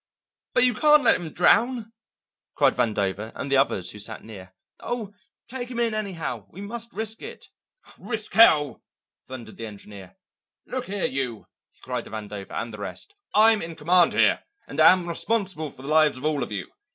"But you can't let him drown," cried Vandover and the others who sat near. "Oh, take him in anyhow; we must risk it." "Risk hell!" thundered the engineer. "Look here, you!" he cried to Vandover and the rest. "I'm in command here and am responsible for the lives of all of you.